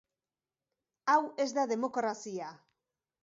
Hau ez da demokrazia.